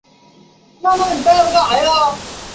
建长四年八月接受亲王宣下。